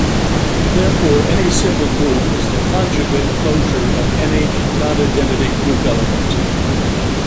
Therefore, any simple group is the conjugate closure of any non-identity group element.